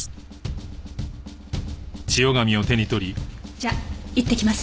じゃあいってきます。